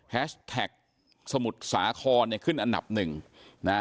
แฮชแท็กสมุดสาขอเนี่ยขึ้นอันดับ๑นะ